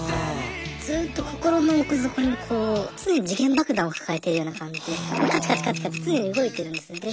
ずっと心の奥底にこう常に時限爆弾を抱えてるような感じでカチカチカチカチ常に動いてるんですね。